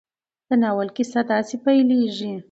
د ناول کیسه داسې پيلېږي.